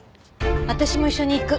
私も一緒に行く。